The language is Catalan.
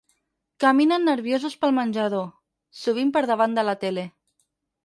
Caminen nerviosos pel menjador, sovint per davant de la tele.